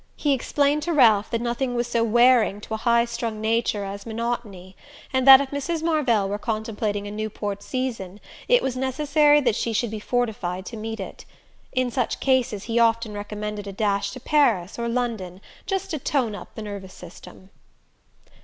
He explained to Ralph that nothing was so wearing to a high strung nature as monotony, and that if Mrs. Marvell were contemplating a Newport season it was necessary that she should be fortified to meet it. In such cases he often recommended a dash to Paris or London, just to tone up the nervous system.